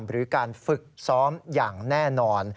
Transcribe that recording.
หรือการฝึกซ้อมอย่างแน่นอน